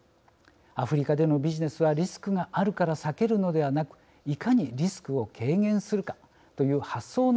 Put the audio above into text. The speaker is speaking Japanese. アフリカでのビジネスはリスクがあるから避けるのではなくいかにリスクを軽減するかという発想の転換が必要です。